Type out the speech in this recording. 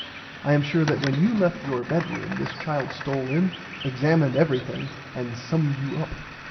I am sure that when you left your bedroom this child stole in, examined everything [Pg x] and summed you up.